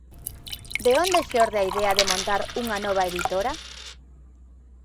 De onde xorde a idea de montar unha nova editora?